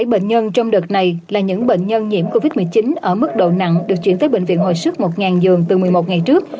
một mươi bảy bệnh nhân trong đợt này là những bệnh nhân nhiễm covid một mươi chín ở mức độ nặng được chuyển tới bệnh viện hội sức mục ngàn dương từ một mươi một ngày trước